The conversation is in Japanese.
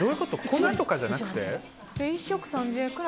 粉とかじゃなくて？